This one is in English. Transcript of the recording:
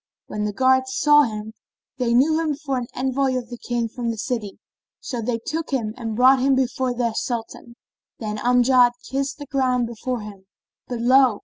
When the guards saw him, they knew him for an envoy from the King of the city; so they took him and brought him before their Sultan. Then Amjad kissed the ground before him; but lo!